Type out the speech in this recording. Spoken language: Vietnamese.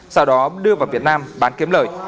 sau đó đưa vào việt nam bán kiếm lời